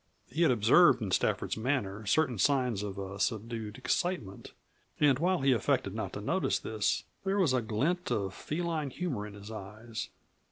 He had observed in Stafford's manner certain signs of a subdued excitement, and while he affected not to notice this, there was a glint of feline humor in his eyes.